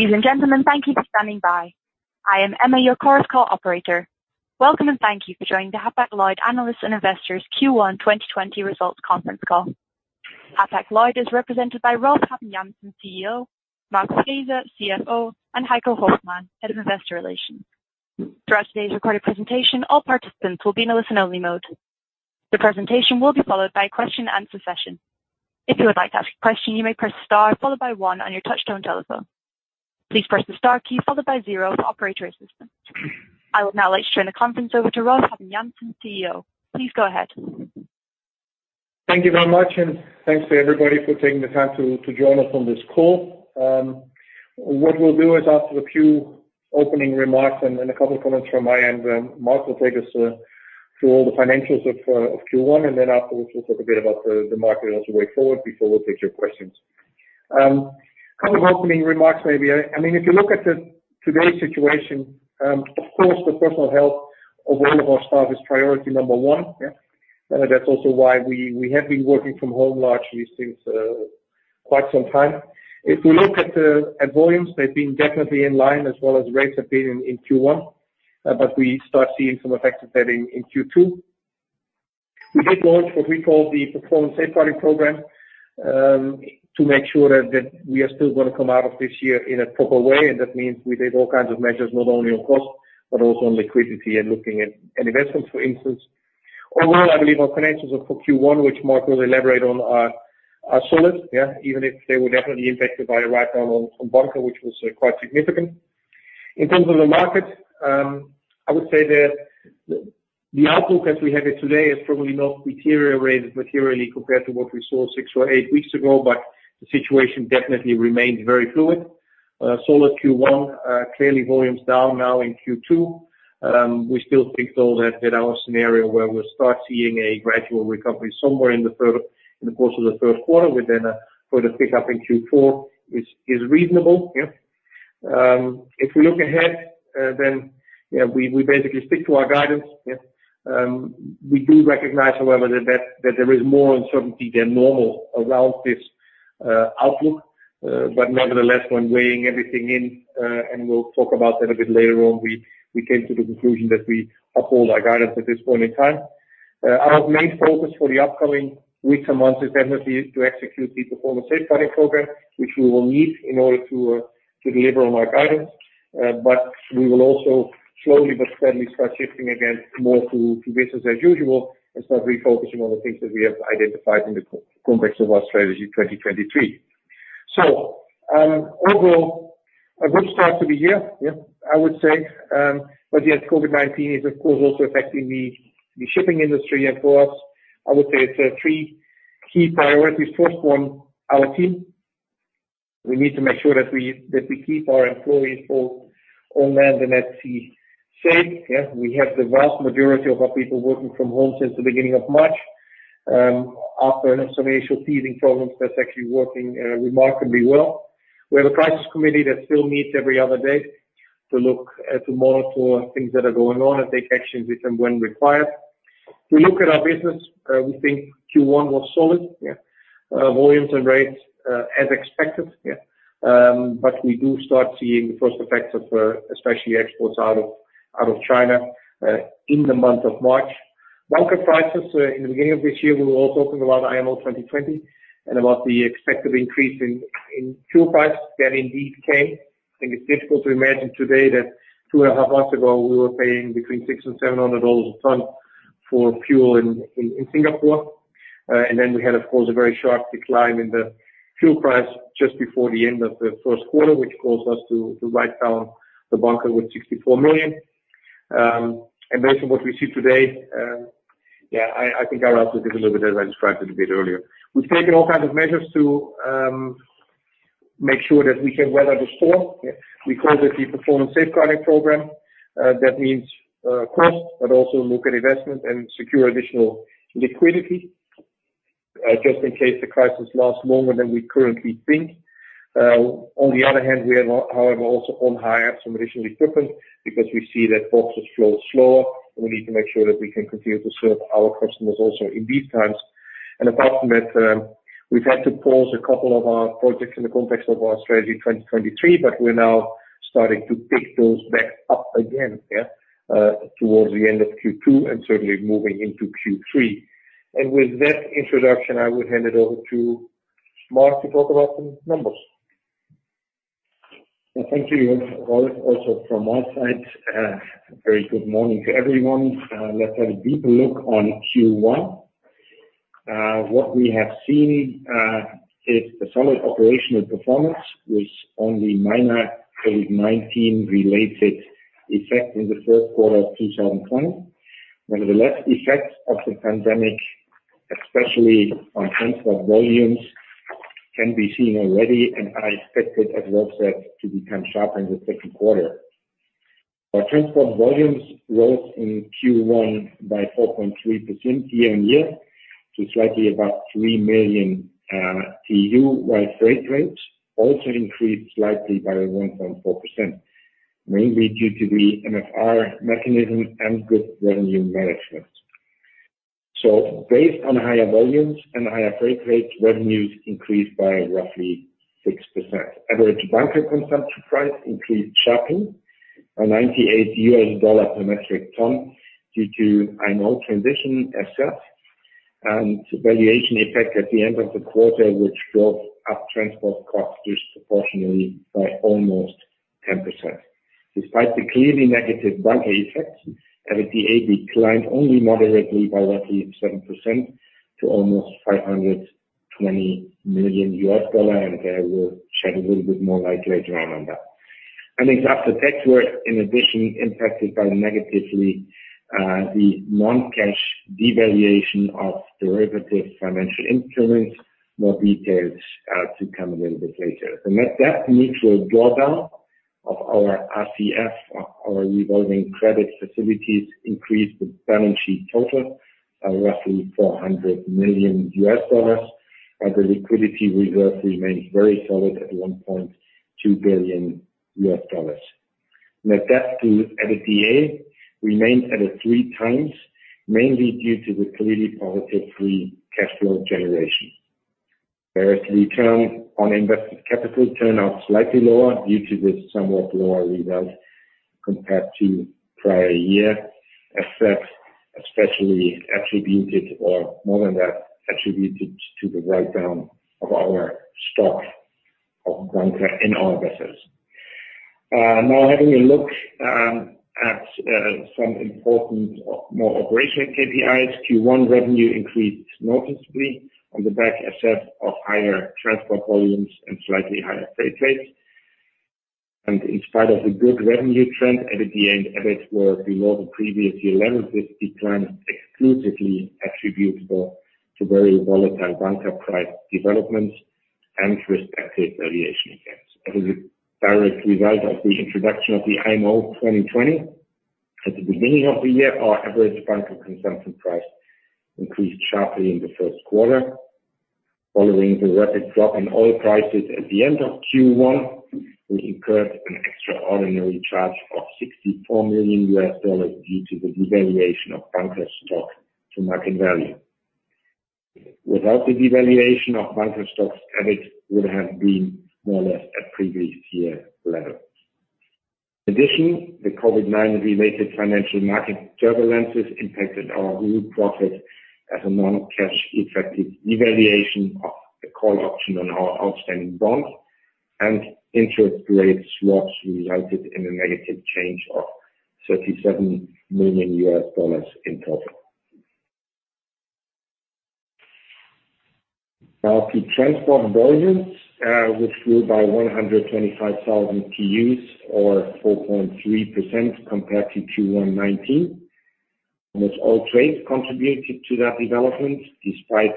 Ladies and gentlemen, thank you for standing by. I am Emma, your Chorus Call operator. Welcome and thank you for joining the Hapag-Lloyd Analysts and Investors Q1 2020 Results Conference Call. Hapag-Lloyd is represented by Rolf Habben Jansen, CEO, Mark Frese, CFO, and Heiko Hoffmann, Head of Investor Relations. Throughout today's recorded presentation, all participants will be in a listen-only mode. The presentation will be followed by a question-and-answer session. If you would like to ask a question, you may press star followed by one on your touch-tone telephone. Please press the star key followed by zero for operator assistance. I would now like to turn the conference over to Rolf Habben Jansen, CEO. Please go ahead. Thank you very much, and thanks to everybody for taking the time to join us on this call. What we'll do is, after a few opening remarks and a couple of comments from my end, Mark will take us through all the financials of Q1, and then afterwards we'll talk a bit about the market as we go forward before we take your questions. A couple of opening remarks maybe. I mean, if you look at today's situation, of course, the personal health of all of our staff is priority number one. That's also why we have been working from home largely since quite some time. If we look at volumes, they've been definitely in line, as well as rates have been in Q1, but we start seeing some effects of that in Q2. We did launch what we call the Performance Safeguarding Program to make sure that we are still going to come out of this year in a proper way, and that means we did all kinds of measures, not only on cost but also on liquidity and looking at investments, for instance. Overall, I believe our financials for Q1, which Mark will elaborate on, are solid, even if they were definitely impacted by a write-down on bunkers, which was quite significant. In terms of the market, I would say that the outlook as we have it today is probably not deteriorated materially compared to what we saw six or eight weeks ago, but the situation definitely remains very fluid. Solid Q1, clearly volumes down now in Q2. We still think, though, that our scenario where we'll start seeing a gradual recovery somewhere in the course of the third quarter, with then a further pickup in Q4, is reasonable. If we look ahead, then we basically stick to our guidance. We do recognize, however, that there is more uncertainty than normal around this outlook, but nevertheless, when weighing everything in, and we'll talk about that a bit later on, we came to the conclusion that we uphold our guidance at this point in time. Our main focus for the upcoming weeks and months is definitely to execute the Performance Safeguarding Program, which we will need in order to deliver on our guidance, but we will also slowly but steadily start shifting again more to business as usual and start refocusing on the things that we have identified in the context of our Strategy 2023. So overall, a good start to the year, I would say, but yes, COVID-19 is, of course, also affecting the shipping industry, and for us, I would say it's three key priorities. First one, our team. We need to make sure that we keep our employees both on land and at sea safe. We have the vast majority of our people working from home since the beginning of March. After an initial teething problem, that's actually working remarkably well. We have a crisis committee that still meets every other day to look at, to monitor things that are going on and take action if and when required. We look at our business. We think Q1 was solid. Volumes and rates as expected, but we do start seeing the first effects of especially exports out of China in the month of March. Market prices in the beginning of this year, we were all talking about IMO 2020 and about the expected increase in fuel prices that indeed came. I think it's difficult to imagine today that two and a half months ago, we were paying between $600-$700 a ton for fuel in Singapore, and then we had, of course, a very sharp decline in the fuel price just before the end of the first quarter, which caused us to write down the bunkers with $64 million. And based on what we see today, I think our outlook is a little bit as I described it a bit earlier. We've taken all kinds of measures to make sure that we can weather the storm. We called it the Performance Safeguarding Program. That means cost, but also look at investment and secure additional liquidity just in case the crisis lasts longer than we currently think. On the other hand, we have, however, also on hire some additional equipment because we see that boxes flow slower, and we need to make sure that we can continue to serve our customers also in these times. And apart from that, we've had to pause a couple of our projects in the context of our Strategy 2023, but we're now starting to pick those back up again towards the end of Q2 and certainly moving into Q3. And with that introduction, I would hand it over to Mark to talk about the numbers. Thank you, Rolf. Also from my side, a very good morning to everyone. Let's have a deeper look on Q1. What we have seen is the solid operational performance with only minor COVID-19-related effect in the first quarter of 2020. Nevertheless, effects of the pandemic, especially on transport volumes, can be seen already, and I expect, as Rolf said, to become sharper in the second quarter. Our transport volumes rose in Q1 by 4.3% year on year, to slightly above 3 million TEU, while freight rates also increased slightly by 1.4%, mainly due to the MFR mechanism and good revenue management. So based on higher volumes and higher freight rates, revenues increased by roughly 6%. Average bunkers consumption price increased sharply by $98 per metric ton due to IMO transition costs, and valuation effect at the end of the quarter, which drove up transport costs disproportionately by almost 10%. Despite the clearly negative bunkers effect, EBITDA declined only moderately by roughly 7% to almost $520 million, and I will shed a little bit more light later on on that. Exact effects were, in addition, impacted by negatively the non-cash devaluation of derivative financial instruments. More details to come a little bit later. The net debt neutral drawdown of our RCF, our revolving credit facilities, increased the balance sheet total by roughly $400 million, and the liquidity reserve remained very solid at $1.2 billion. Net debt to EBITDA remained at a three times, mainly due to the clearly positive free cash flow generation. Whereas return on invested capital turned out slightly lower due to the somewhat lower result compared to prior year, as that especially attributed, or more than that, attributed to the write-down of our stock of bunkers in our vessels. Now, having a look at some important more operational KPIs, Q1 revenue increased noticeably on the back effect of higher transport volumes and slightly higher freight rates, and in spite of the good revenue trend, EBITDA and EBIT were below the previous year levels. This decline is exclusively attributable to very volatile bunkers price developments and respective valuation effects. As a direct result of the introduction of the IMO 2020, at the beginning of the year, our average bunkers consumption price increased sharply in the first quarter. Following the rapid drop in oil prices at the end of Q1, we incurred an extraordinary charge of $64 million due to the devaluation of bunkers stock to market value. Without the devaluation of bunkers stocks, EBIT would have been more or less at previous year levels. In addition, the COVID-19-related financial market turbulences impacted our group profit as a non-cash effective devaluation of the call option on our outstanding bonds, and interest rate swaps resulted in a negative change of $37 million in total. Now, the transport volumes, which grew by 125,000 TEUs, or 4.3% compared to Q1 2019. Almost all trades contributed to that development, despite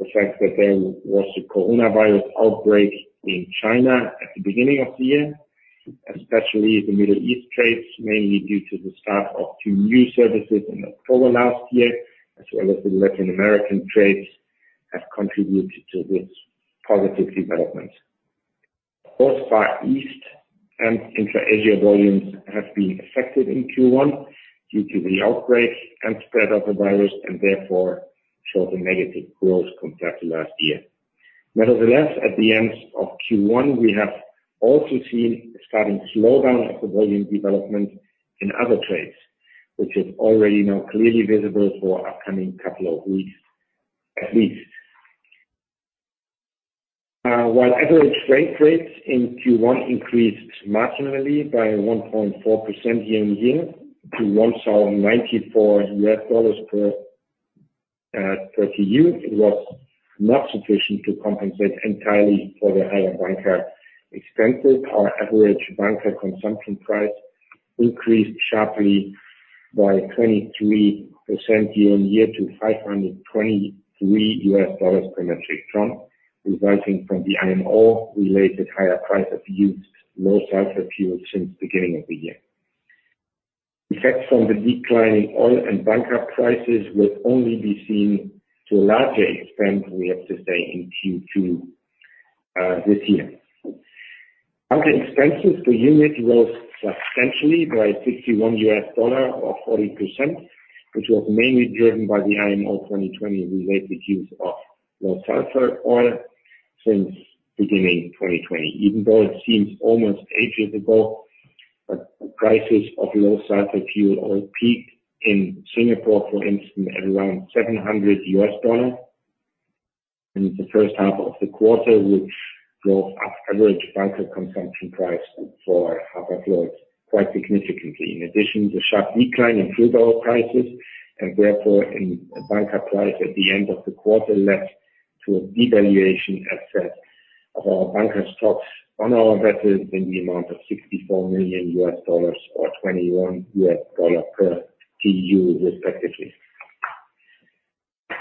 the fact that there was a coronavirus outbreak in China at the beginning of the year, especially the Middle East trades, mainly due to the start of two new services in October last year, as well as the Latin American trades have contributed to this positive development. North, Far East, and Intra-Asia volumes have been affected in Q1 due to the outbreak and spread of the virus, and therefore showed a negative growth compared to last year. Nevertheless, at the end of Q1, we have also seen a starting slowdown of the volume development in other trades, which is already now clearly visible for the upcoming couple of weeks, at least. While average freight rates in Q1 increased marginally by 1.4% year on year to $1,094 per TEU, it was not sufficient to compensate entirely for the higher bunkers expenses. Our average bunkers consumption price increased sharply by 23% year on year to $523 per metric ton, resulting from the IMO-related higher price of used low sulfur fuel since the beginning of the year. Effects from the declining oil and bunkers prices will only be seen to a larger extent, we have to say, in Q2 this year. Bunkers expenses per unit rose substantially by $61, or 40%, which was mainly driven by the IMO 2020-related use of low sulfur oil since the beginning of 2020, even though it seems almost eight years ago. But prices of low sulfur fuel oil peaked in Singapore, for instance, at around $700 in the first half of the quarter, which drove up average bunkers consumption price for Hapag-Lloyd quite significantly. In addition, the sharp decline in fuel oil prices and therefore in bunkers price at the end of the quarter led to a devaluation effect of our bunkers stocks on our vessels in the amount of $64 million, or $21 per TEU, respectively.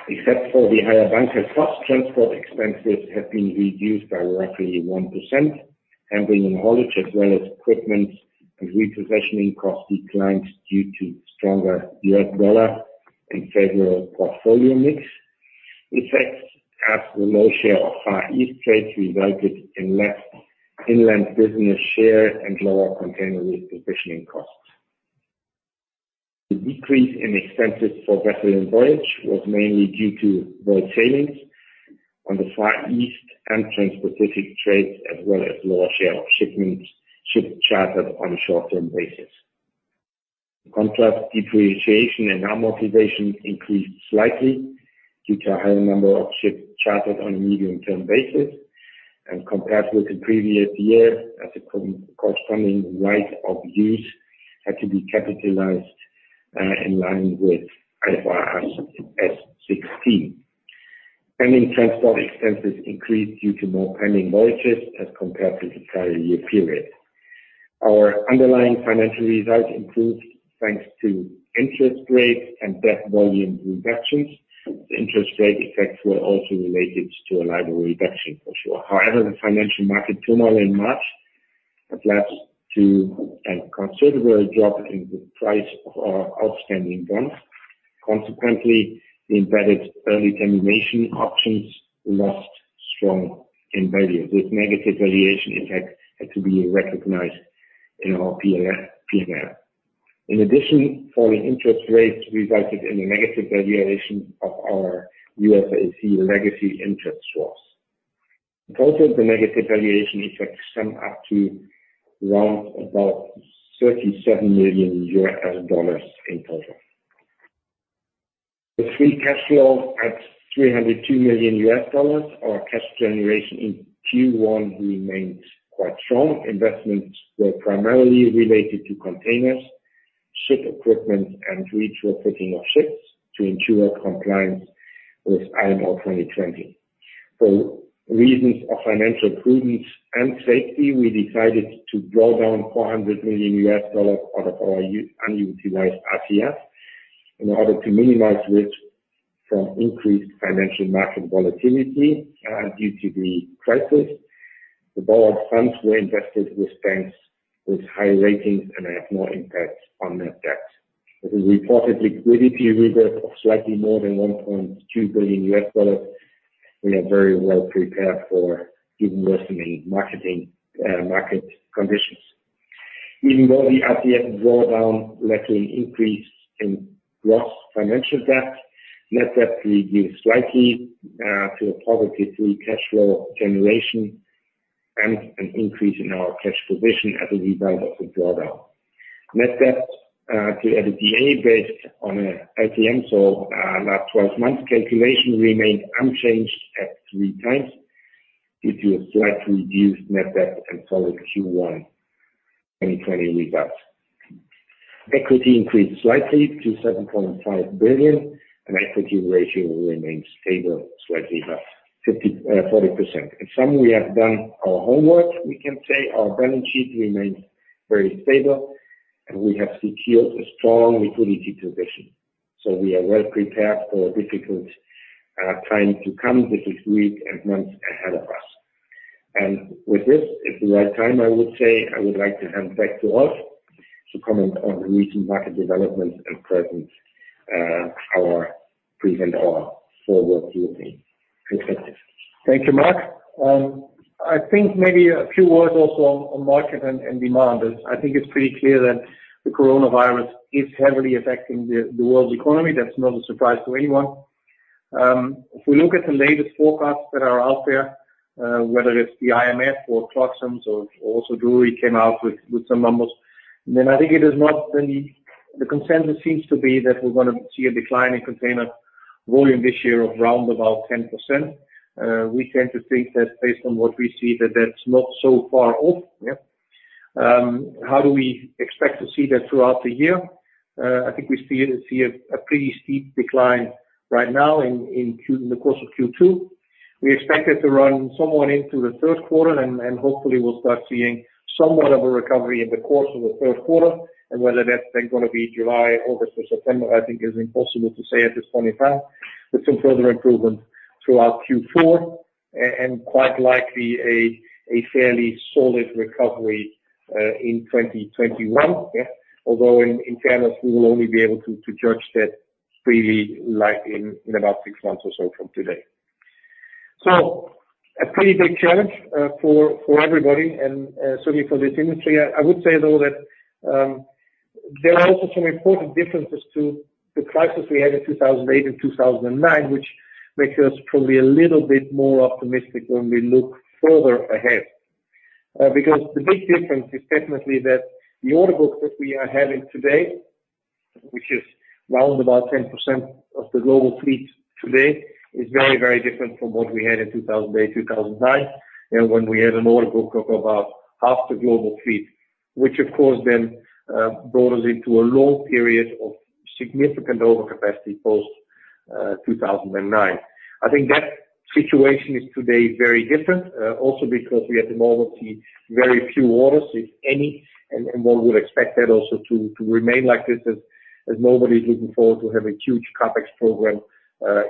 Except for the higher bunkers costs, transport expenses have been reduced by roughly 1%. Handling and haulage, as well as equipment and repossession costs, declined due to stronger U.S. dollar and favorable portfolio mix. Effects of the low share of Far East trades resulted in less inland business share and lower container repositioning costs. The decrease in expenses for vessel and voyage was mainly due to voyage savings on the Far East and Trans-Pacific trades, as well as lower share of ships chartered on a short-term basis. In contrast, depreciation and amortization increased slightly due to a higher number of ships chartered on a medium-term basis, and compared with the previous year, as the corresponding right of use had to be capitalized in line with IFRS 16. Pending transport expenses increased due to more pending voyages as compared to the prior year period. Our underlying financial result improved thanks to interest rates and debt volume reductions. The interest rate effects were also related to a LIBOR reduction, for sure. However, the financial market turmoil in March led to a considerable drop in the price of our outstanding bonds. Consequently, the embedded early termination options lost strong in value. This negative valuation effect had to be recognized in our P&L. In addition, falling interest rates resulted in a negative valuation of our UASC legacy interest swaps. In total, the negative valuation effect summed up to around about $37 million in total. The free cash flow at $302 million, our cash generation in Q1, remained quite strong. Investments were primarily related to containers, ship equipment, and retrofitting of ships to ensure compliance with IMO 2020. For reasons of financial prudence and safety, we decided to draw down $400 million out of our unutilized RCF in order to minimize risk from increased financial market volatility due to the crisis. The borrowed funds were invested with banks with high ratings and have no impact on net debt. With a reported liquidity reserve of slightly more than $1.2 billion, we are very well prepared for even worsening market conditions. Even though the RCF drawdown led to an increase in gross financial debt, net debt reduced slightly to a positive free cash flow generation and an increase in our cash position as a result of the drawdown. Net debt to EBITDA based on an LTM last 12 months calculation remained unchanged at three times due to a slightly reduced net debt and solid Q1 2020 results. Equity increased slightly to 7.5 billion, and equity ratio remained stable, slightly above 40%. In sum, we have done our homework, we can say. Our balance sheet remains very stable, and we have secured a strong liquidity position. So we are well prepared for a difficult time to come this week and months ahead of us. And with this, it's the right time, I would say. I would like to hand back to Rolf to comment on the recent market developments and present our present or forward-looking perspective. Thank you, Mark. I think maybe a few words also on market and demand. I think it's pretty clear that the coronavirus is heavily affecting the world's economy. That's not a surprise to anyone. If we look at the latest forecasts that are out there, whether it's the IMF or Clarksons or also Drewry, he came out with some numbers, then I think it is not the consensus seems to be that we're going to see a decline in container volume this year of around about 10%. We tend to think that based on what we see, that that's not so far off. How do we expect to see that throughout the year? I think we see a pretty steep decline right now in the course of Q2. We expect it to run somewhat into the third quarter, and hopefully we'll start seeing somewhat of a recovery in the course of the third quarter, and whether that's then going to be July, August, or September, I think is impossible to say at this point in time. With some further improvements throughout Q4 and quite likely a fairly solid recovery in 2021, although in fairness, we will only be able to judge that freely in about six months or so from today, so a pretty big challenge for everybody and certainly for this industry. I would say, though, that there are also some important differences to the crisis we had in 2008 and 2009, which makes us probably a little bit more optimistic when we look further ahead. Because the big difference is definitely that the order book that we are having today, which is round about 10% of the global fleet today, is very, very different from what we had in 2008, 2009, when we had an order book of about half the global fleet, which, of course, then brought us into a long period of significant overcapacity post-2009. I think that situation is today very different, also because we at the moment see very few orders, if any, and one would expect that also to remain like this as nobody's looking forward to having a huge CapEx program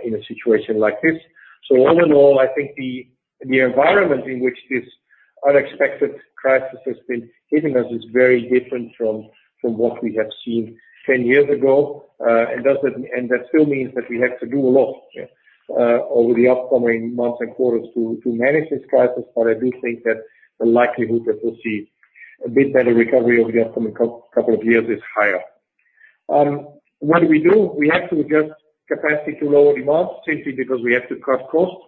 in a situation like this. So all in all, I think the environment in which this unexpected crisis has been hitting us is very different from what we have seen 10 years ago. And that still means that we have to do a lot over the upcoming months and quarters to manage this crisis. But I do think that the likelihood that we'll see a bit better recovery over the upcoming couple of years is higher. What do we do? We have to adjust capacity to lower demand, simply because we have to cut costs.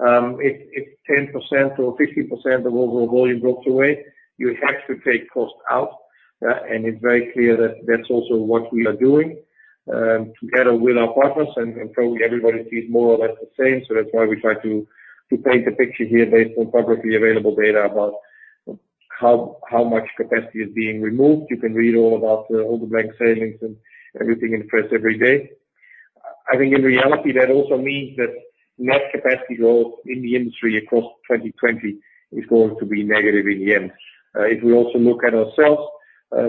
If 10% or 15% of overall volume drops away, you have to take costs out. And it's very clear that that's also what we are doing together with our partners. And probably everybody sees more or less the same. So that's why we try to paint a picture here based on publicly available data about how much capacity is being removed. You can read all about the whole range of savings and everything in the press every day. I think in reality, that also means that net capacity growth in the industry across 2020 is going to be negative in the end. If we also look at ourselves,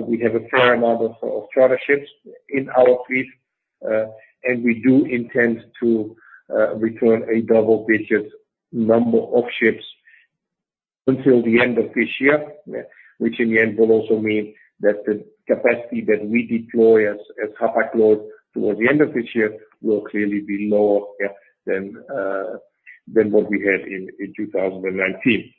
we have a fair amount of charter ships in our fleet, and we do intend to return a double-digit number of ships until the end of this year, which in the end will also mean that the capacity that we deploy as Hapag-Lloyd towards the end of this year will clearly be lower than what we had in 2019.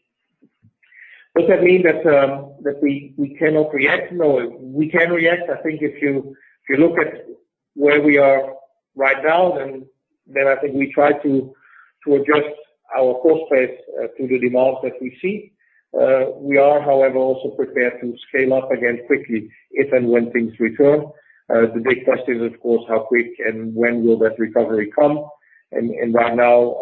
Does that mean that we cannot react? No, we can react. I think if you look at where we are right now, then I think we try to adjust our course pace to the demands that we see. We are, however, also prepared to scale up again quickly if and when things return. The big question is, of course, how quick and when will that recovery come? Right now,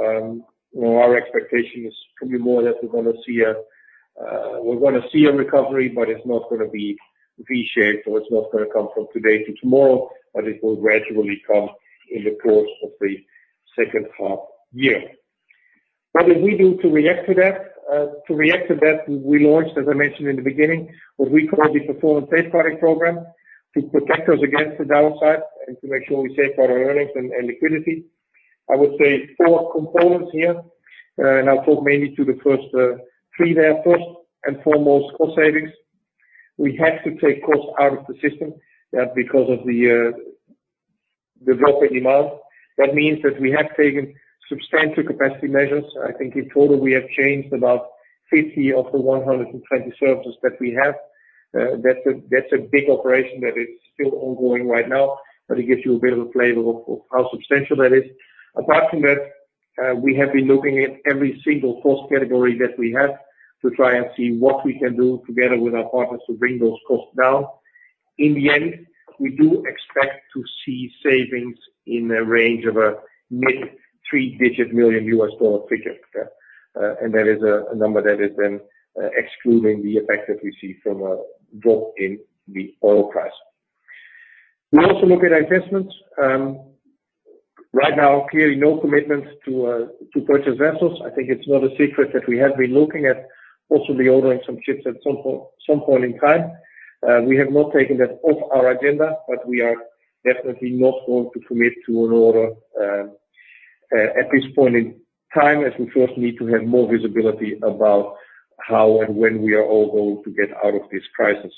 our expectation is probably more that we're going to see a recovery, but it's not going to be V-shaped, so it's not going to come from today to tomorrow, but it will gradually come in the course of the second half year. What did we do to react to that? To react to that, we launched, as I mentioned in the beginning, what we call the Performance Safeguarding Program to protect us against the downside and to make sure we safeguard our earnings and liquidity. I would say four components here, and I'll talk mainly to the first three there. First and foremost, cost savings. We had to take costs out of the system because of the drop in demand. That means that we have taken substantial capacity measures. I think in total, we have changed about 50 of the 120 services that we have. That's a big operation that is still ongoing right now, but it gives you a bit of a flavor of how substantial that is. Apart from that, we have been looking at every single cost category that we have to try and see what we can do together with our partners to bring those costs down. In the end, we do expect to see savings in the range of a mid-three-digit million U.S. dollar figure. And that is a number that is then excluding the effect that we see from a drop in the oil price. We also look at investments. Right now, clearly no commitment to purchase vessels. I think it's not a secret that we have been looking at possibly ordering some ships at some point in time. We have not taken that off our agenda, but we are definitely not going to commit to an order at this point in time, as we first need to have more visibility about how and when we are all going to get out of this crisis.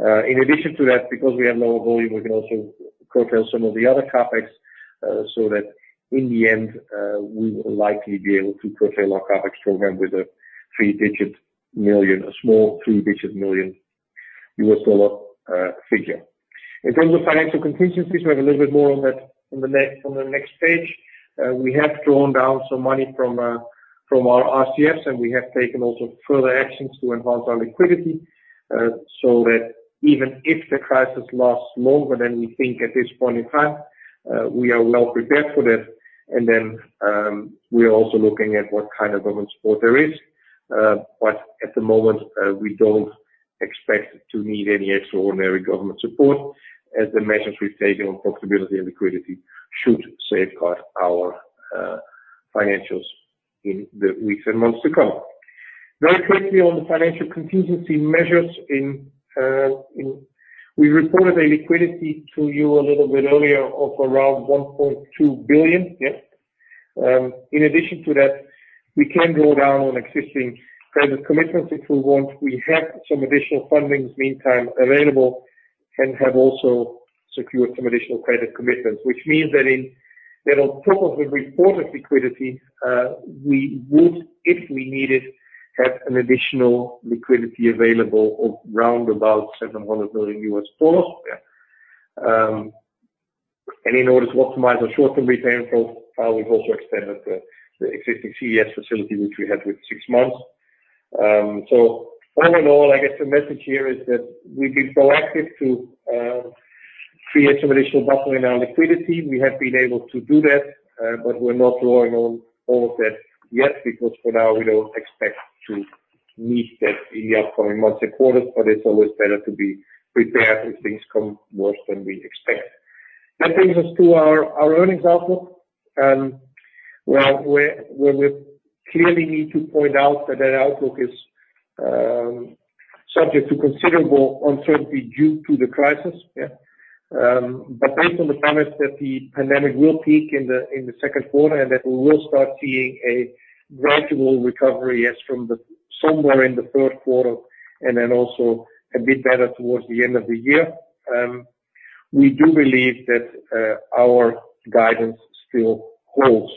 In addition to that, because we have lower volume, we can also curtail some of the other CapEx so that in the end, we will likely be able to curtail our CapEx program with a three-digit million, a small three-digit million U.S. dollar figure. In terms of financial contingencies, we have a little bit more on that on the next page. We have drawn down some money from our RCFs, and we have taken also further actions to enhance our liquidity so that even if the crisis lasts longer than we think at this point in time, we are well prepared for that, and then we are also looking at what kind of government support there is, but at the moment, we don't expect to need any extraordinary government support, as the measures we've taken on profitability and liquidity should safeguard our financials in the weeks and months to come. Very quickly on the financial contingency measures, we reported a liquidity to you a little bit earlier of around 1.2 billion. In addition to that, we can draw down on existing credit commitments if we want. We have some additional funding in the meantime available and have also secured some additional credit commitments, which means that on top of the reported liquidity, we would, if we needed, have an additional liquidity available of round about $700 million. In order to optimize our short-term repayment profile, we've also extended the existing CES facility, which we had with six months. All in all, I guess the message here is that we've been proactive to create some additional buffering in our liquidity. We have been able to do that, but we're not drawing on all of that yet because for now, we don't expect to meet that in the upcoming months and quarters, but it's always better to be prepared if things come worse than we expect. That brings us to our earnings outlook. We clearly need to point out that that outlook is subject to considerable uncertainty due to the crisis, but based on the premise that the pandemic will peak in the second quarter and that we will start seeing a gradual recovery from somewhere in the third quarter and then also a bit better towards the end of the year, we do believe that our guidance still holds,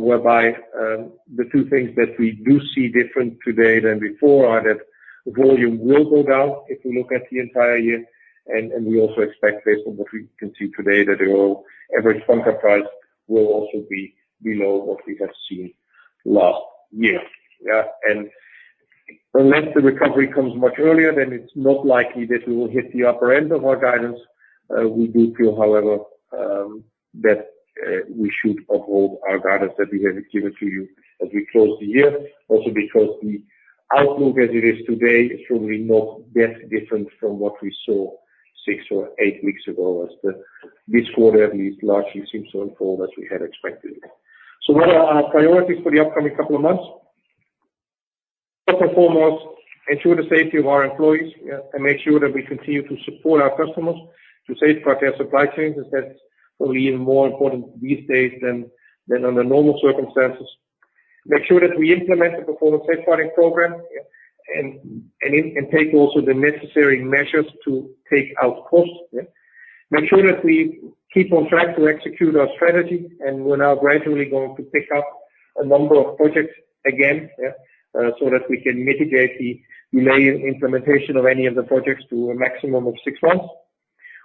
whereby the two things that we do see different today than before are that volume will go down if we look at the entire year, and we also expect, based on what we can see today, that our average bunker price will also be below what we have seen last year, and unless the recovery comes much earlier, then it's not likely that we will hit the upper end of our guidance. We do feel, however, that we should uphold our guidance that we have given to you as we close the year, also because the outlook as it is today is probably not that different from what we saw six or eight weeks ago, as this quarter at least largely seems to unfold as we had expected. So what are our priorities for the upcoming couple of months? First and foremost, ensure the safety of our employees and make sure that we continue to support our customers to safeguard their supply chains. That's probably even more important these days than under normal circumstances. Make sure that we implement the Performance Safeguarding Program and take also the necessary measures to take out costs. Make sure that we keep on track to execute our strategy. And we're now gradually going to pick up a number of projects again so that we can mitigate the delay in implementation of any of the projects to a maximum of six months.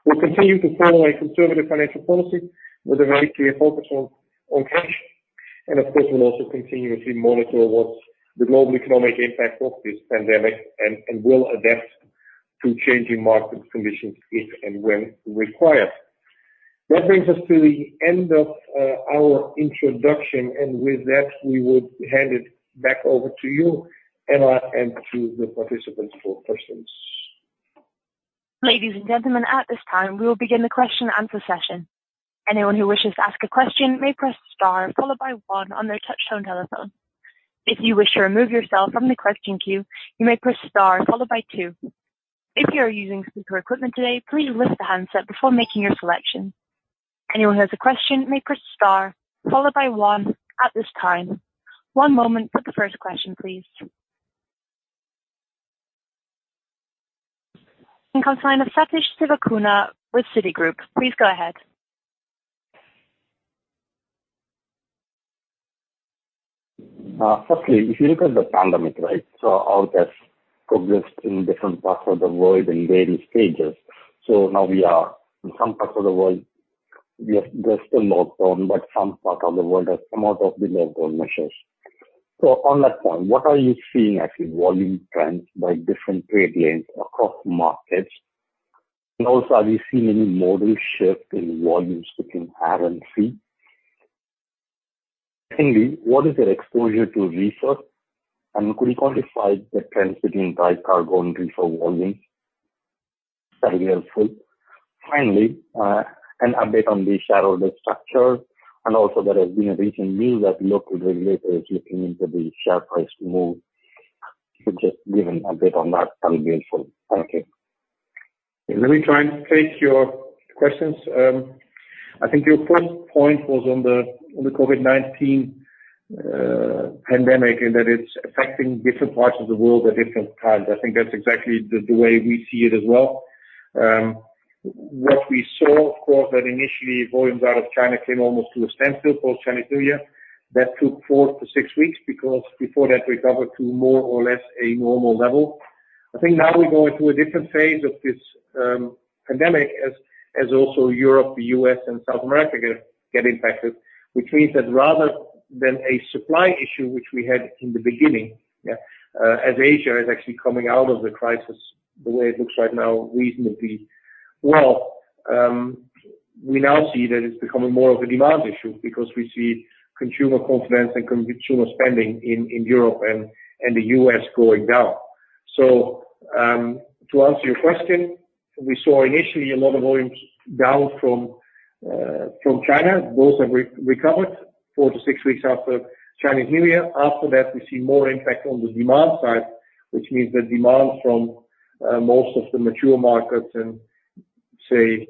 We'll continue to follow a conservative financial policy with a very clear focus on cash. And of course, we'll also continuously monitor what's the global economic impact of this pandemic and will adapt to changing market conditions if and when required. That brings us to the end of our introduction. And with that, we would hand it back over to you and to the participants for questions. Ladies and gentlemen, at this time, we will begin the question-and-answer session. Anyone who wishes to ask a question may press star followed by one on their touch-tone telephone. If you wish to remove yourself from the question queue, you may press star followed by two. If you are using speaker equipment today, please lift the handset before making your selection. Anyone who has a question may press star followed by one at this time. One moment for the first question, please. Sathish Sivakumar with Citigroup, please go ahead. Sathish, if you look at the pandemic, right, so all that progressed in different parts of the world in various stages. So now we are in some parts of the world, we are still locked down, but some parts of the world have come out of the lockdown measures. So on that point, what are you seeing as the volume trends by different trade lanes across markets? And also, are we seeing any modal shift in volumes between Air and Sea? Secondly, what is the exposure to reefer? And could you quantify the trends between dry cargo and reefer volumes? That would be helpful. Finally, an update on the shareholder structure. And also, there has been a recent news that local regulator is looking into the share price move. Could you just give an update on that? That would be helpful. Thank you. Let me try and take your questions. I think your first point was on the COVID-19 pandemic and that it's affecting different parts of the world at different times. I think that's exactly the way we see it as well. What we saw, of course, that initially volumes out of China came almost to a standstill post-Chinese New Year. That took four to six weeks because before that, we recovered to more or less a normal level. I think now we're going through a different phase of this pandemic as also Europe, the U.S., and South America get impacted, which means that rather than a supply issue, which we had in the beginning, as Asia is actually coming out of the crisis the way it looks right now, reasonably well, we now see that it's becoming more of a demand issue because we see consumer confidence and consumer spending in Europe and the U.S. going down. So to answer your question, we saw initially a lot of volumes down from China. Those have recovered four to six weeks after Chinese New Year. After that, we see more impact on the demand side, which means that demand from most of the mature markets and say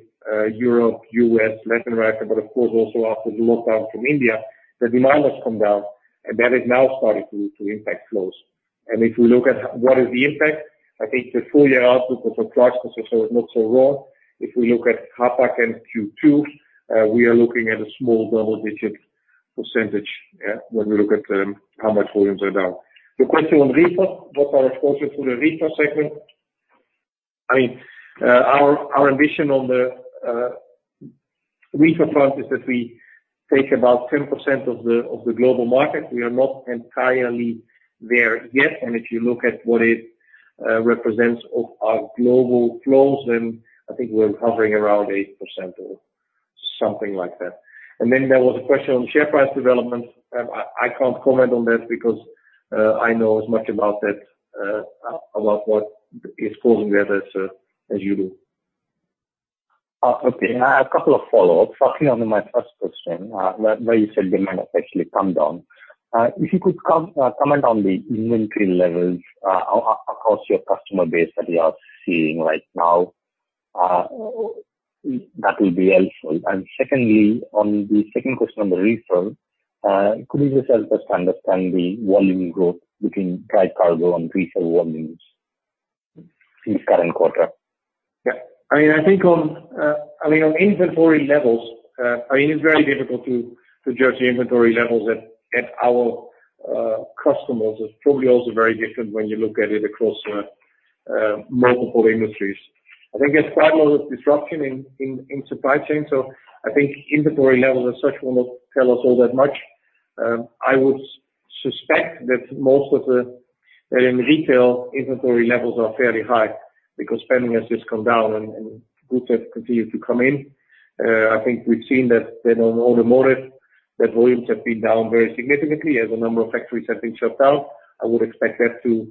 Europe, U.S., Latin America, but of course also after the lockdown from India, the demand has come down. That has now started to impact flows. If we look at what is the impact, I think the four-year outlook was surprisingly not so wrong. If we look at Hapag and Q2, we are looking at a small double-digit percentage when we look at how much volumes are down. Your question on reefer, what's our exposure to the reefer segment? I mean, our ambition on the reefer front is that we take about 10% of the global market. We are not entirely there yet. If you look at what it represents of our global flows, then I think we're hovering around 8% or something like that. Then there was a question on share price development. I can't comment on that because I know as much about that, about what is causing that as you do. Okay. A couple of follow-ups. Following on my first question, where you said demand has actually come down, if you could comment on the inventory levels across your customer base that you are seeing right now, that would be helpful. And secondly, on the second question on the reefer, could you just help us to understand the volume growth between dry cargo and reefer volumes in the current quarter? Yeah. I mean, I think on inventory levels, I mean, it's very difficult to judge the inventory levels at our customers. It's probably also very different when you look at it across multiple industries. I think there's quite a lot of disruption in supply chain. So I think inventory levels as such will not tell us all that much. I would suspect that most of the reefer inventory levels are fairly high because spending has just come down and goods have continued to come in. I think we've seen that on automotive, that volumes have been down very significantly as a number of factories have been shut down. I would expect that to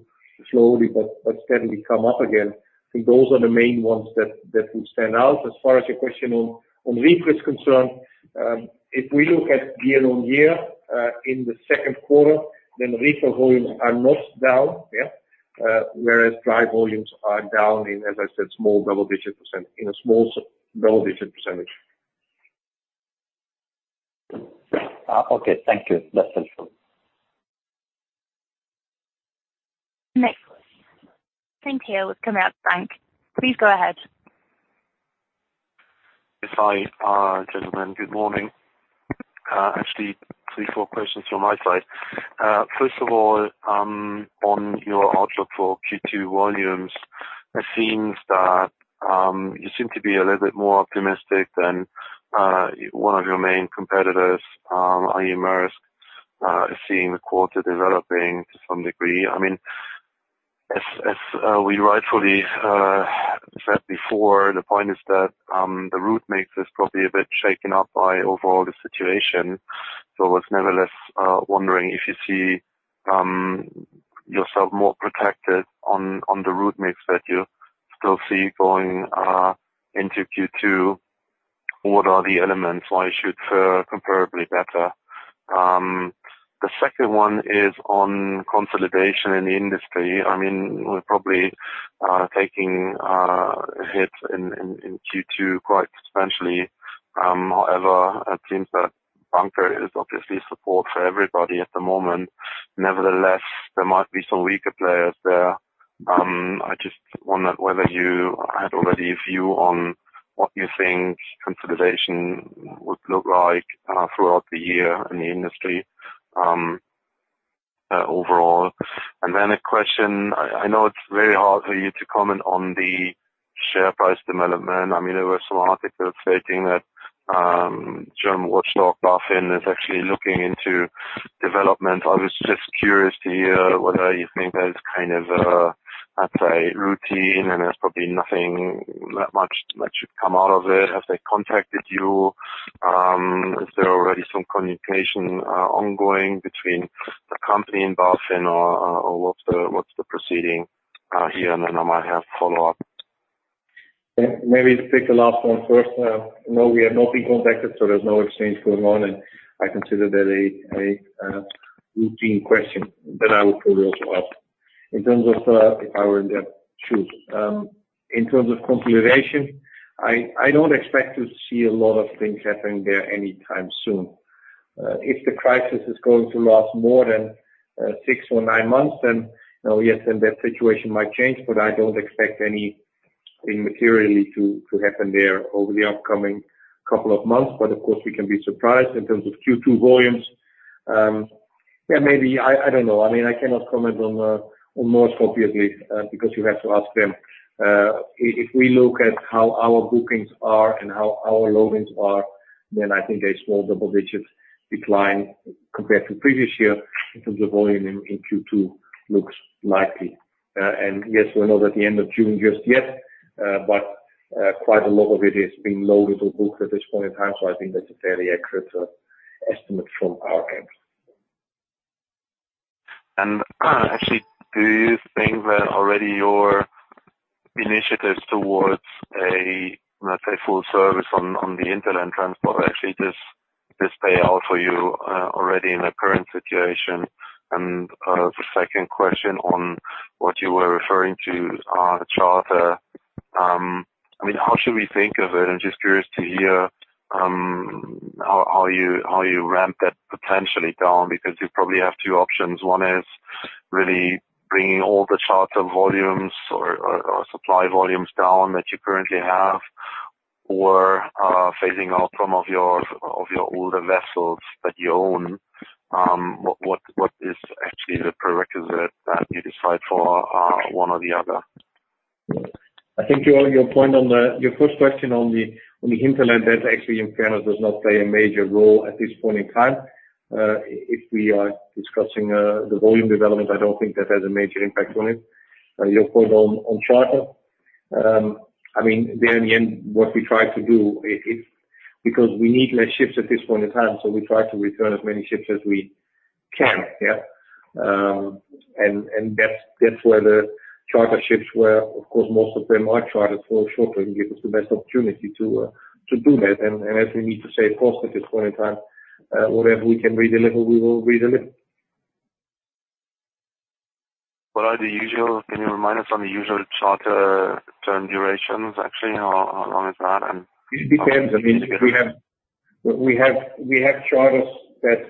slowly but steadily come up again. I think those are the main ones that would stand out. As far as your question on reefer is concerned, if we look at year on year in the second quarter, then reefer volumes are not down, whereas dry volumes are down, as I said, in a small double-digit percentage Okay. Thank you. That's helpful. Next question. Thank you. It was coming out blank. Please go ahead. Hi, gentlemen. Good morning. Actually, three, four questions from my side. First of all, on your outlook for Q2 volumes, it seems that you seem to be a little bit more optimistic than one of your main competitors, Maersk, is seeing the quarter developing to some degree. I mean, as we rightfully said before, the point is that the route mix is probably a bit shaken up by overall the situation. So I was nevertheless wondering if you see yourself more protected on the route mix that you still see going into Q2. What are the elements? Why should it fare comparably better? The second one is on consolidation in the industry. I mean, we're probably taking a hit in Q2 quite substantially. However, it seems that bunker is obviously support for everybody at the moment. Nevertheless, there might be some weaker players there. I just wondered whether you had already a view on what you think consolidation would look like throughout the year in the industry overall, and then a question. I know it's very hard for you to comment on the share price development. I mean, there were some articles stating that BaFin is actually looking into development. I was just curious to hear whether you think that is kind of a, I'd say, routine and there's probably nothing that much that should come out of it. Have they contacted you? Is there already some communication ongoing between the company and BaFin or what's the proceeding here, and then I might have follow-up. Maybe take the last one first. No, we have not been contacted, so there's no exchange going on, and I consider that a routine question that I will probably also ask in terms of if I were in that shoes. In terms of consolidation, I don't expect to see a lot of things happening there anytime soon. If the crisis is going to last more than six or nine months, then yes, then that situation might change, but I don't expect anything materially to happen there over the upcoming couple of months, but of course, we can be surprised in terms of Q2 volumes. Yeah, maybe. I don't know. I mean, I cannot comment on North obviously because you have to ask them. If we look at how our bookings are and how our loadings are, then I think a small double-digit decline compared to previous year in terms of volume in Q2 looks likely. And yes, we're not at the end of June just yet, but quite a lot of it is being loaded or booked at this point in time. So I think that's a fairly accurate estimate from our camp. Actually, do you think that already your initiatives towards a, let's say, full service on the hinterland transport actually just pay out for you already in the current situation? And the second question on what you were referring to, charter, I mean, how should we think of it? I'm just curious to hear how you ramp that potentially down because you probably have two options. One is really bringing all the charter volumes or supply volumes down that you currently have or phasing out some of your older vessels that you own. What is actually the prerequisite that you decide for one or the other? I think your point on your first question on the hinterland, that actually in fairness does not play a major role at this point in time. If we are discussing the volume development, I don't think that has a major impact on it. Your point on charter, I mean, there in the end, what we try to do is because we need less ships at this point in time, so we try to return as many ships as we can, and that's where the charter ships were. Of course, most of them are chartered for a short time and give us the best opportunity to do that, and as we need to save cost at this point in time, whatever we can redeliver, we will redeliver. What are the usual? Can you remind us on the usual charter term durations? Actually, how long is that? It depends. I mean, we have charters that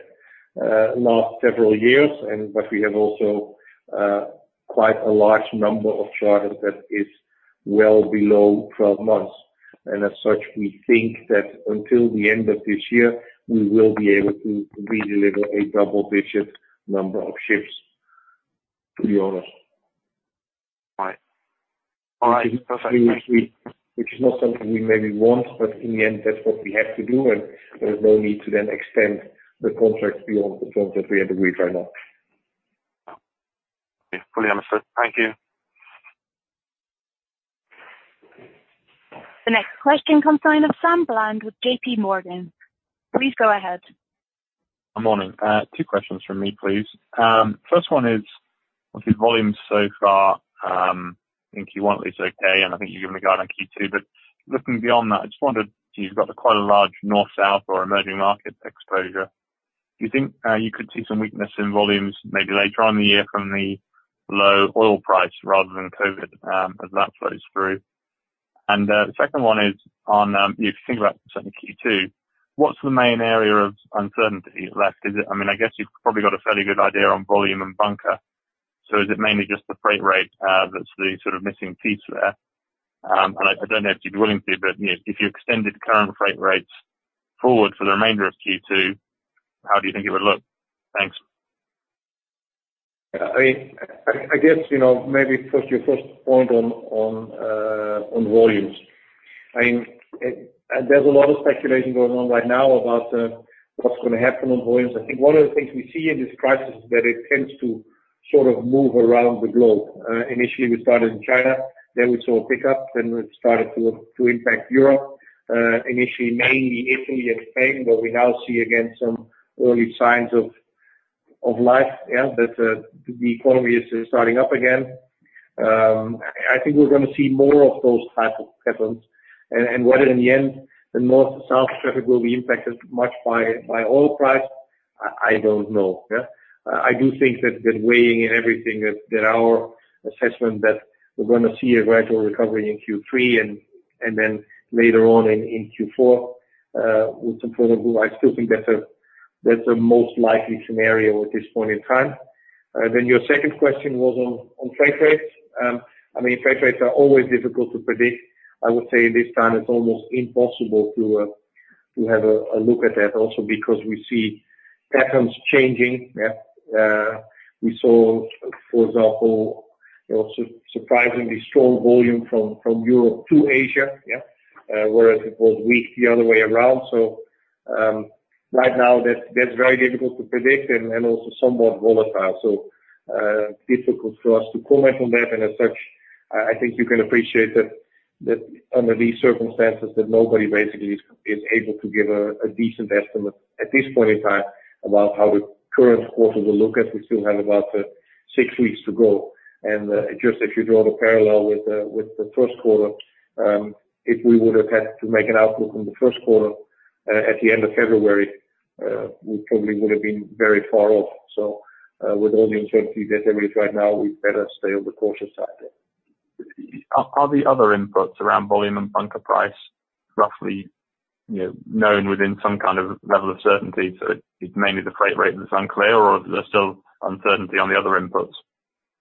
last several years, but we have also quite a large number of charters that is well below 12 months. And as such, we think that until the end of this year, we will be able to redeliver a double-digit number of ships, to be honest. Right. All right. Perfect. Which is not something we maybe want, but in the end, that's what we have to do. And there's no need to then extend the contracts beyond the terms that we have agreed right now. Okay. Fully understood. Thank you. The next question comes on from Sam Bland with J.P. Morgan. Please go ahead. Good morning. Two questions from me, please. First one is, obviously, volumes so far, I think Q1 is okay, and I think you're giving a guide on Q2. But looking beyond that, I just wondered, you've got quite a large north-south or emerging market exposure. Do you think you could see some weakness in volumes maybe later on in the year from the low oil price rather than COVID as that flows through? And the second one is, if you think about certainly Q2, what's the main area of uncertainty left? I mean, I guess you've probably got a fairly good idea on volume and bunker. So is it mainly just the freight rate that's the sort of missing piece there? And I don't know if you'd be willing to, but if you extended current freight rates forward for the remainder of Q2, how do you think it would look? Thanks. I mean, I guess maybe your first point on volumes. I mean, there's a lot of speculation going on right now about what's going to happen on volumes. I think one of the things we see in this crisis is that it tends to sort of move around the globe. Initially, we started in China. Then we saw a pickup. Then it started to impact Europe, initially mainly Italy and Spain, where we now see again some early signs of life, that the economy is starting up again. I think we're going to see more of those types of patterns, and whether in the end, the north-south traffic will be impacted much by oil price, I don't know. I do think that weighing in everything, that our assessment that we're going to see a gradual recovery in Q3 and then later on in Q4 with some further move, I still think that's a most likely scenario at this point in time. Then your second question was on freight rates. I mean, freight rates are always difficult to predict. I would say this time it's almost impossible to have a look at that also because we see patterns changing. We saw, for example, surprisingly strong volume from Europe to Asia, whereas it was weak the other way around. So right now, that's very difficult to predict and also somewhat volatile. So difficult for us to comment on that. And as such, I think you can appreciate that under these circumstances, that nobody basically is able to give a decent estimate at this point in time about how the current quarter will look as we still have about six weeks to go. And just if you draw the parallel with the first quarter, if we would have had to make an outlook on the first quarter at the end of February, we probably would have been very far off. So with all the uncertainty that there is right now, we'd better stay on the cautious side. Are the other inputs around volume and bunker price roughly known within some kind of level of certainty? So it's mainly the freight rate that's unclear, or is there still uncertainty on the other inputs?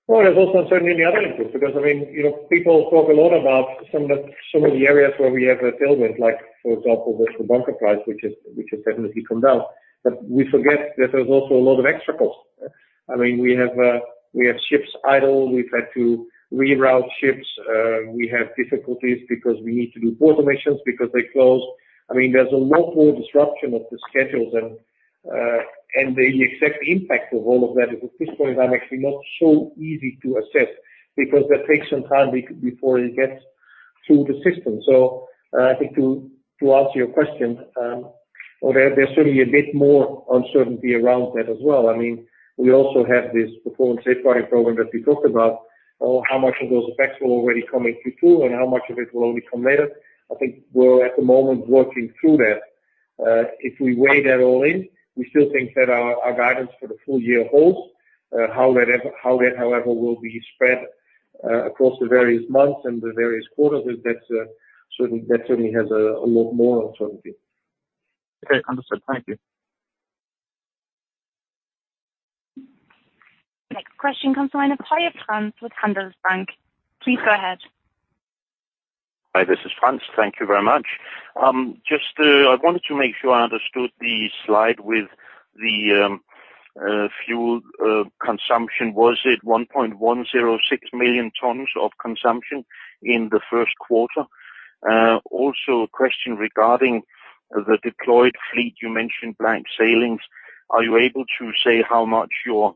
There's also uncertainty on the other inputs because, I mean, people talk a lot about some of the areas where we have dealt with, like for example, with the bunker price, which has definitely come down, but we forget that there's also a lot of extra costs. I mean, we have ships idle. We've had to reroute ships. We have difficulties because we need to do port omissions because they close. I mean, there's a lot more disruption of the schedules, and the exact impact of all of that is, at this point, I'm actually not so easy to assess because that takes some time before it gets through the system, so I think to answer your question, there's certainly a bit more uncertainty around that as well. I mean, we also have this Performance Safeguarding Program that we talked about. How much of those effects will already come in Q2 and how much of it will only come later? I think we're at the moment working through that. If we weigh that all in, we still think that our guidance for the full year holds. How that, however, will be spread across the various months and the various quarters, that certainly has a lot more uncertainty. Okay. Understood. Thank you. The next question comes from Frans Hoyer with Handelsbanken. Please go ahead. Hi, this is Frans. Thank you very much. Just, I wanted to make sure I understood the slide with the fuel consumption. Was it 1.106 million tons of consumption in the first quarter? Also, a question regarding the deployed fleet you mentioned, blank sailings. Are you able to say how much your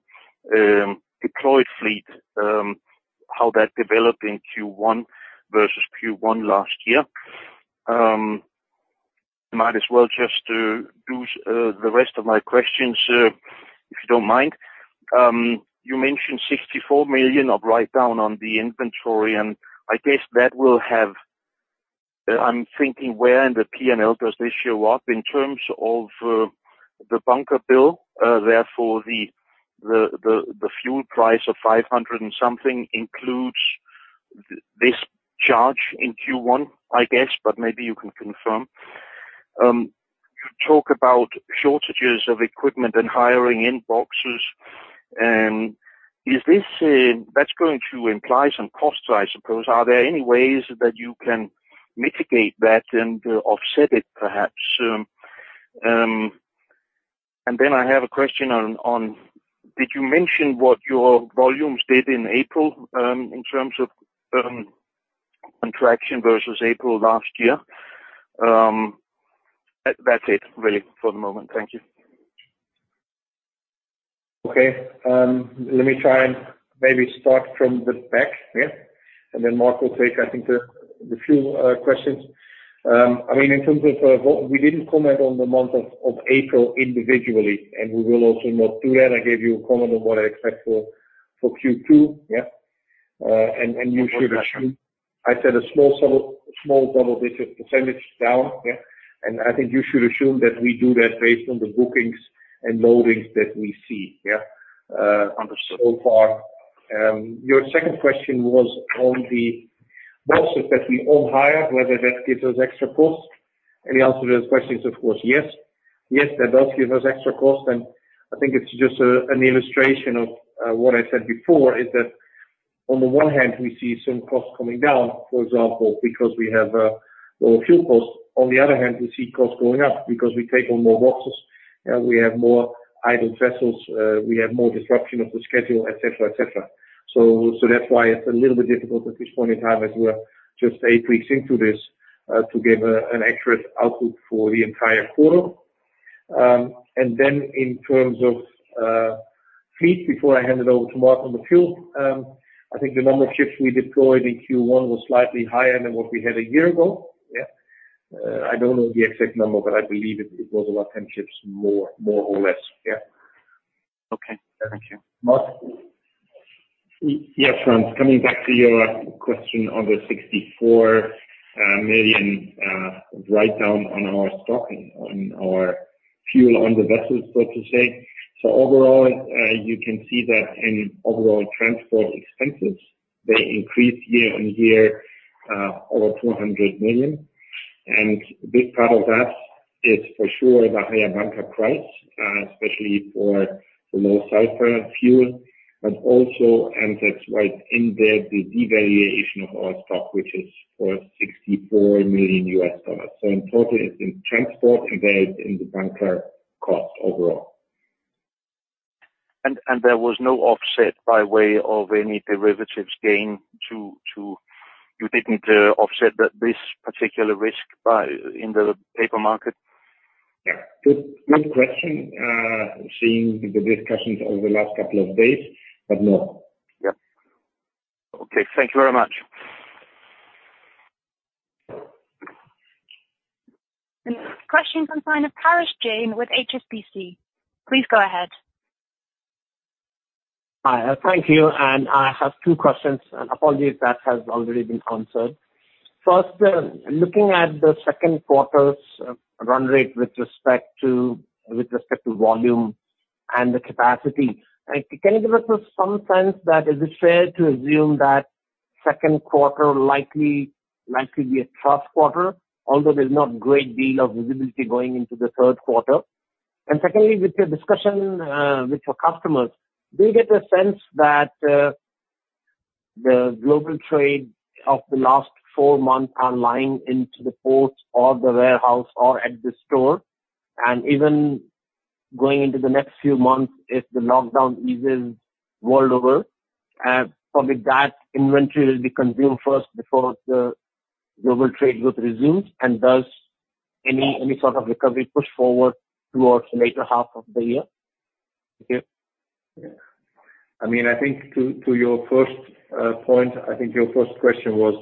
deployed fleet, how that developed in Q1 versus Q1 last year? Might as well just do the rest of my questions if you don't mind. You mentioned 64 million of write-down on the inventory. And I guess that will have. I'm thinking, where in the P&L does this show up in terms of the bunker bill? Therefore, the fuel price of 500 and something includes this charge in Q1, I guess, but maybe you can confirm. You talk about shortages of equipment and hiring in boxes. That's going to imply some costs, I suppose. Are there any ways that you can mitigate that and offset it perhaps? And then I have a question on did you mention what your volumes did in April in terms of contraction versus April last year? That's it, really, for the moment. Thank you. Okay. Let me try and maybe start from the back here. And then Mark will take, I think, the few questions. I mean, in terms of, we didn't comment on the month of April individually, and we will also not do that. I gave you a comment on what I expect for Q2. And you should assume I said a small double-digit percentage down. And I think you should assume that we do that based on the bookings and loadings that we see so far. Your second question was on the boxes that we on hire, whether that gives us extra costs. And the answer to that question is, of course, yes. Yes, that does give us extra costs. I think it's just an illustration of what I said before, is that on the one hand, we see some costs coming down, for example, because we have lower fuel costs. On the other hand, we see costs going up because we take on more boxes. We have more idle vessels. We have more disruption of the schedule, etc., etc. So that's why it's a little bit difficult at this point in time, as we're just eight weeks into this, to give an accurate outlook for the entire quarter. And then in terms of fleet, before I hand it over to Mark on the fuel, I think the number of ships we deployed in Q1 was slightly higher than what we had a year ago. I don't know the exact number, but I believe it was about 10 ships more or less. Okay. Thank you. Mark Yes, Frans. Coming back to your question on the $64 million write-down on our stock, on our fuel on the vessels, so to say. So overall, you can see that in overall transport expenses, they increase year on year over $200 million. And a big part of that is for sure the higher bunker price, especially for the north-south fuel. But also, and that's right in there, the devaluation of our stock, which is for $64 million. So in total, it's in transport and there's in the bunker cost overall. And there was no offset by way of any derivatives gain? Did you offset this particular risk in the paper market? Good question. Seeing the discussions over the last couple of days, but no. Yep. Okay. Thank you very much. The next question comes on Parash Jain with HSBC. Please go ahead. Hi. Thank you. I have two questions. Apologies if that has already been answered. First, looking at the second quarter's run rate with respect to volume and the capacity, can you give us some sense that it is fair to assume that second quarter likely will be a tough quarter, although there's not a great deal of visibility going into the third quarter? Secondly, with your discussions with your customers, do you get a sense that the global trade of the last four months is piling up in the ports or the warehouses or at the stores? Even going into the next few months, if the lockdown eases worldwide, probably that inventory will be consumed first before the global trade resumes. Does any sort of recovery push forward towards the later half of the year? I mean, I think to your first point, I think your first question was,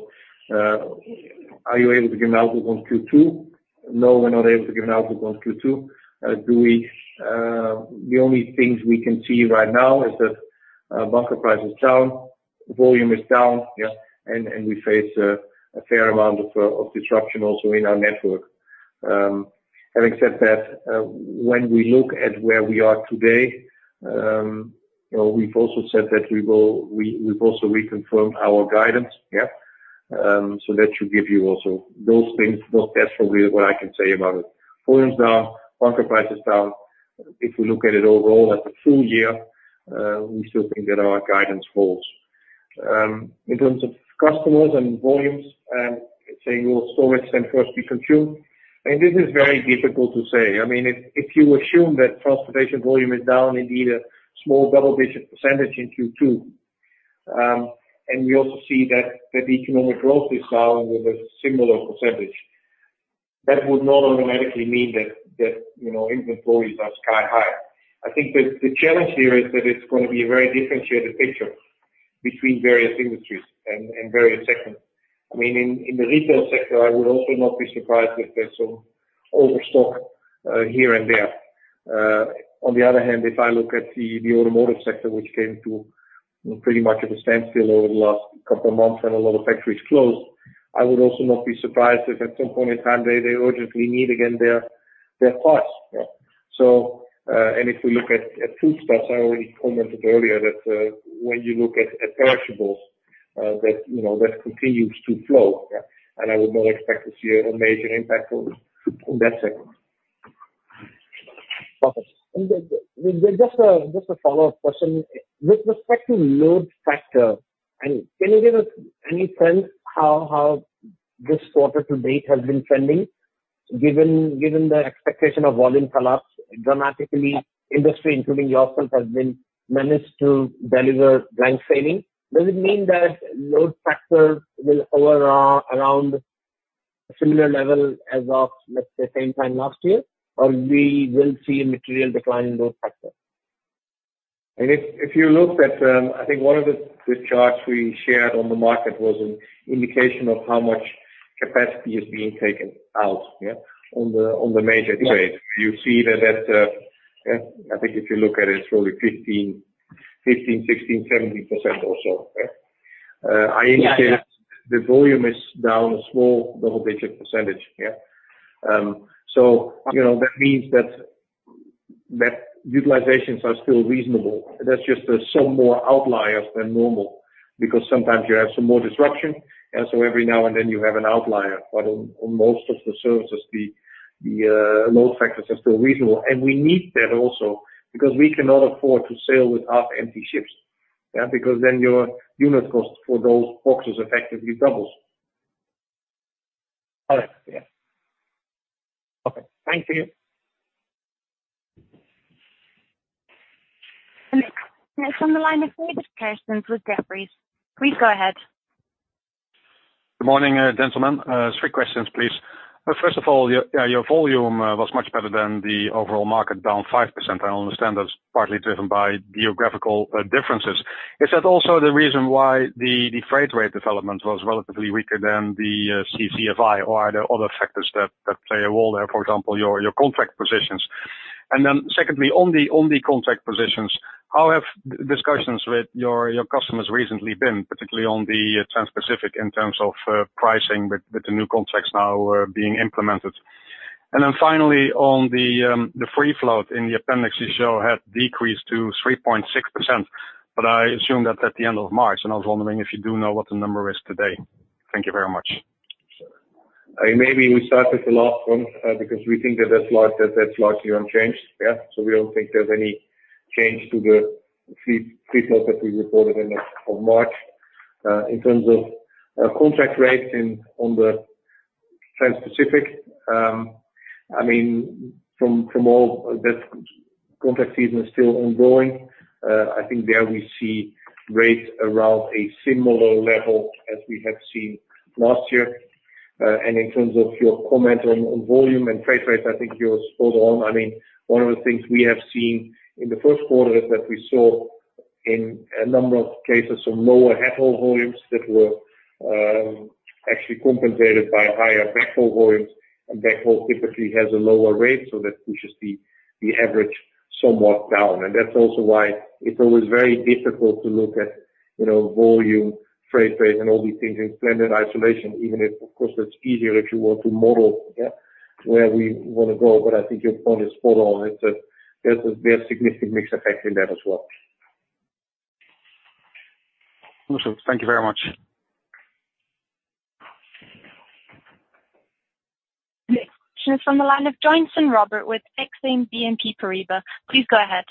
are you able to give an outlook on Q2? No, we're not able to give an outlook on Q2. The only things we can see right now is that bunker price is down, volume is down, and we face a fair amount of disruption also in our network. Having said that, when we look at where we are today, we've also said that we've also reconfirmed our guidance. So that should give you also those things. That's probably what I can say about it. Volume's down, bunker price is down. If we look at it overall as a full year, we still think that our guidance holds. In terms of customers and volumes, saying we'll store it and first be consumed. I mean, this is very difficult to say. I mean, if you assume that transportation volume is down, indeed, a small double-digit percentage in Q2, and we also see that the economic growth is down with a similar percentage. That would not automatically mean that inventories are sky high. I think the challenge here is that it's going to be a very differentiated picture between various industries and various sectors. I mean, in the reefer sector, I would also not be surprised if there's some overstock here and there. On the other hand, if I look at the automotive sector, which came to pretty much a standstill over the last couple of months and a lot of factories closed, I would also not be surprised if at some point in time, they urgently need again their parts, and if we look at foodstuffs, I already commented earlier that when you look at perishables, that continues to flow. I would not expect to see a major impact on that sector. Perfect. Just a follow-up question. With respect to load factor, can you give us any sense how this quarter to date has been trending? Given the expectation of volume collapse dramatically, industry, including yourself, has managed to deliver blank sailing. Does it mean that load factor will hover around a similar level as of, let's say, same time last year, or we will see a material decline in load factor? If you look at, I think one of the charts we shared on the market was an indication of how much capacity is being taken out on the major trades. You see that, I think if you look at it, it's probably 15%-17% or so. I indicated the volume is down a small double-digit percentage. So that means that utilizations are still reasonable. That's just some more outliers than normal because sometimes you have some more disruption. And so every now and then, you have an outlier. But on most of the services, the load factors are still reasonable. And we need that also because we cannot afford to sail with half-empty ships because then your unit cost for those boxes effectively doubles. Got it. Okay. Thank you. The next on the line is David Kerstens with Jefferies. Please go ahead. Good morning, gentlemen. Three questions, please. First of all, your volume was much better than the overall market down 5%. I understand that's partly driven by geographical differences. Is that also the reason why the freight rate development was relatively weaker than the CCFI, or are there other factors that play a role there, for example, your contract positions? And then secondly, on the contract positions, how have discussions with your customers recently been, particularly on the Trans-Pacific in terms of pricing with the new contracts now being implemented? And then finally, on the free float in the appendix, you show had decreased to 3.6%, but I assume that's at the end of March. And I was wondering if you do know what the number is today. Thank you very much. Maybe we start with the last one because we think that that's largely unchanged. So we don't think there's any change to the free float that we reported in March in terms of contract rates on the Trans-Pacific. I mean, from all that contract season is still ongoing. I think there we see rates around a similar level as we have seen last year. And in terms of your comment on volume and freight rates, I think you're spot on. I mean, one of the things we have seen in the first quarter is that we saw in a number of cases some lower headhaul volumes that were actually compensated by higher backhaul volumes. And backhaul typically has a lower rate, so that pushes the average somewhat down. And that's also why it's always very difficult to look at volume, freight rates, and all these things in standard isolation, even if, of course, that's easier if you want to model where we want to go. But I think your point is spot on. There's a significant mixed effect in that as well. Thank you very much. The next question is from the line of Robert Joynson with Exane BNP Paribas. Please go ahead.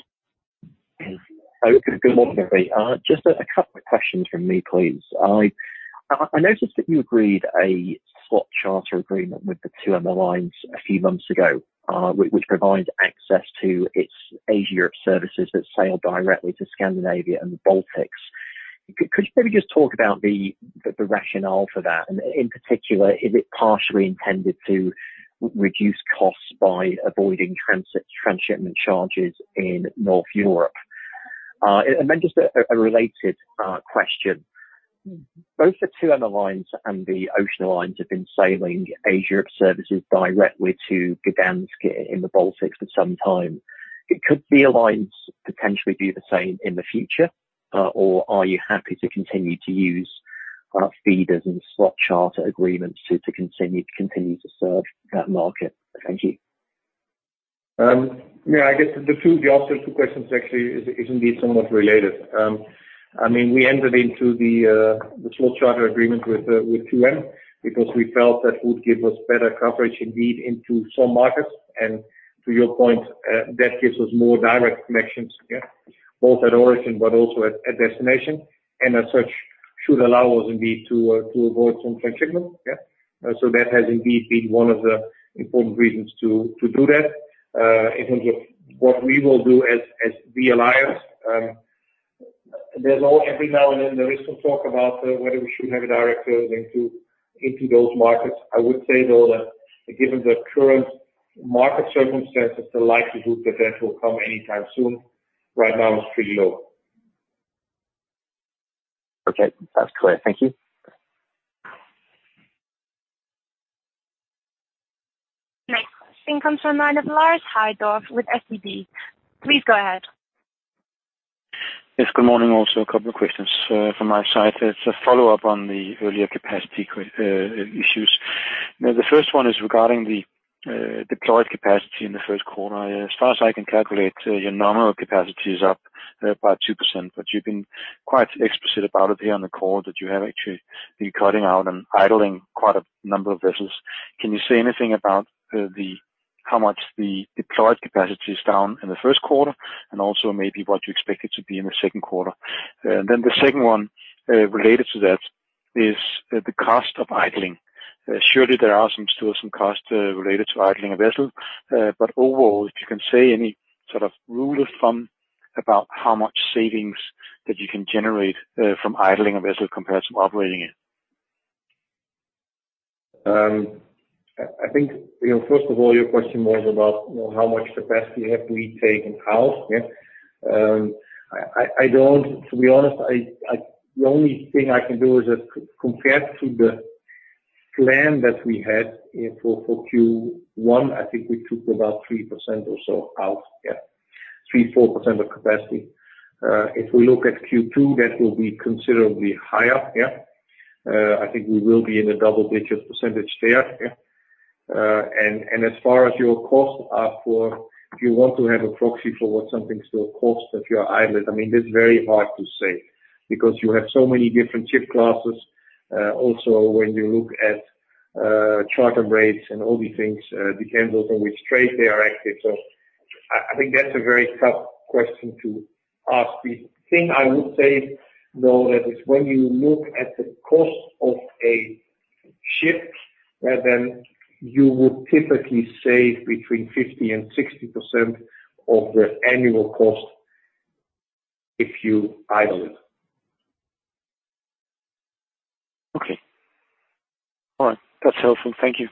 Good morning, everybody. Just a couple of questions from me, please. I noticed that you agreed a slot charter agreement with the 2M Alliance a few months ago, which provides access to its Asia services that sail directly to Scandinavia and the Baltics. Could you maybe just talk about the rationale for that? And in particular, is it partially intended to reduce costs by avoiding transshipment charges in North Europe? And then just a related question. Both the 2M Alliance and the Ocean Alliance have been sailing Asia services directly to Gdańsk in the Baltics for some time. THE Alliance potentially do the same in the future, or are you happy to continue to use feeders and slot charter agreements to continue to serve that market? Thank you. Yeah, I guess the answer to questions actually is indeed somewhat related. I mean, we entered into the slot charter agreement with 2M because we felt that would give us better coverage indeed into some markets. And to your point, that gives us more direct connections, both at origin but also at destination. And as such, should allow us indeed to avoid some transshipment. So that has indeed been one of the important reasons to do that. In terms of what we will do THE Alliance, there's every now and then some talk about whether we should have a direct calling into those markets. I would say though that given the current market circumstances, the likelihood that that will come anytime soon right now is pretty low. Okay. That's clear. Thank you. The next question comes from Lars Heindorff with SEB. Please go ahead. Yes, good morning. Also, a couple of questions from my side. It's a follow-up on the earlier capacity issues. The first one is regarding the deployed capacity in the first quarter. As far as I can calculate, your nominal capacity is up by 2%, but you've been quite explicit about it here on the call that you have actually been cutting out and idling quite a number of vessels. Can you say anything about how much the deployed capacity is down in the first quarter and also maybe what you expect it to be in the second quarter? And then the second one related to that is the cost of idling. Surely there are still some costs related to idling a vessel, but overall, if you can say any sort of rule of thumb about how much savings that you can generate from idling a vessel compared to operating it. I think, first of all, your question was about how much capacity have we taken out. I don't, to be honest. The only thing I can do is, compared to the plan that we had for Q1, I think we took about 3% or so out, 3-4% of capacity. If we look at Q2, that will be considerably higher. I think we will be in a double-digit % there, and as far as your costs are for, if you want to have a proxy for what something still costs if you're idling, I mean, that's very hard to say because you have so many different ship classes. Also, when you look at charter rates and all these things, it depends on which trade they are active. So I think that's a very tough question to ask. The thing I would say, though, that is when you look at the cost of a ship, then you would typically save between 50% and 60% of the annual cost if you idle it. Okay. All right. That's helpful. Thank you.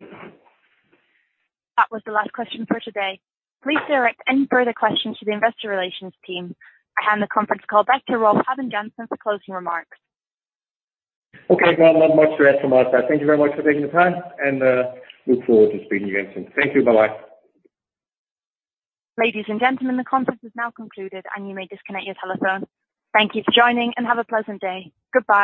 That was the last question for today. Please direct any further questions to the investor relations team. I hand the conference call back to Rolf Habben Jansen for closing remarks. Okay. Not much to add from my side. Thank you very much for taking the time, and look forward to speaking again soon. Thank you. Bye-bye. Ladies and gentlemen, the conference has now concluded, and you may disconnect your telephone. Thank you for joining, and have a pleasant day. Goodbye.